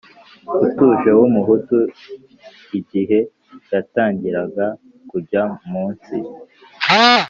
utuje w Umuhutu Igihe yatangiraga kujya munsi